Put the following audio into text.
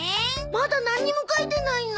まだなんにも描いてないの？